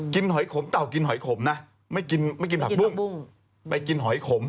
หอยขมเต่ากินหอยขมนะไม่กินไม่กินผักบุ้งไปกินหอยขม